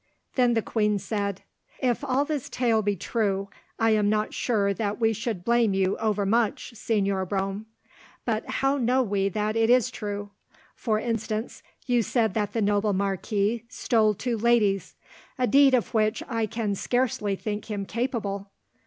Then the queen said: "If all this tale be true, I am not sure that we should blame you over much, Señor Brome; but how know we that it is true? For instance, you said that the noble marquis stole two ladies, a deed of which I can scarcely think him capable.